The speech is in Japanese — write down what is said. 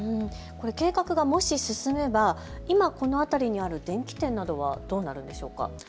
計画がもし進めば今この辺りにある電気店などはどうなるんでしょうか。